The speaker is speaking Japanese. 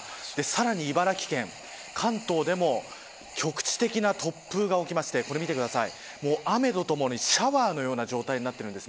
さらに茨城県関東でも局地的な突風が起きまして雨とともにシャワーのような状態になっているんです。